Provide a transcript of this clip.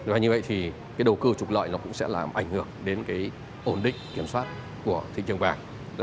và như vậy thì cái đầu cơ trục lợi nó cũng sẽ làm ảnh hưởng đến cái ổn định kiểm soát của thị trường vàng